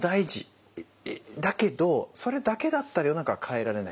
だけどそれだけだったら世の中は変えられない。